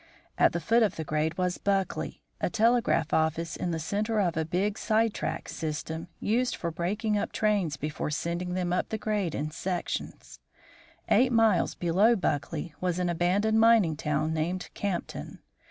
At the foot of the grade was Buckley, a telegraph office in the centre of a big side track system used for breaking up trains before sending them up the grade in sections. Eight miles below Buckley was an abandoned mining town named Campton.